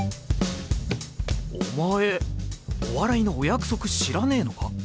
お前お笑いのお約束知らねぇのか？